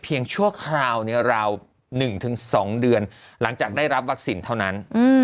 ชั่วคราวราว๑๒เดือนหลังจากได้รับวัคซีนเท่านั้น